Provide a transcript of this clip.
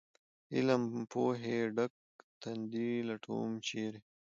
علم پوهې ډک تندي لټوم ، چېرې ؟